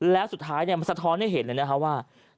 และสุดท้ายสะท้อนให้เห็นเลยว่า